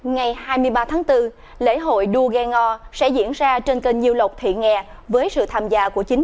ngày hai mươi ba tháng bốn lễ hội đua ghe ngò sẽ diễn ra trên kênh nhiêu lộc thị nghè với sự tham gia của chính